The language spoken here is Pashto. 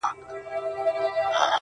• څنگه دي وستايمه.